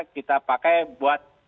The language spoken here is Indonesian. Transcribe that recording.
kita pakai buat